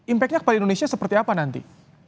impactnya kepada indonesia seperti apa nanti